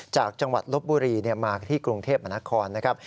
จากจังหวัดลบบุรีมาที่กรุงเทพมนาคอนนะครับ